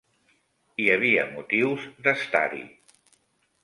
Hi havia motius d'estar-hi.